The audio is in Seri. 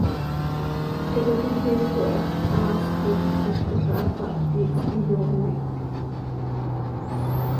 Xicaquiziil coi hax thaasx oo, ziix cola hapáh quih iyoonec.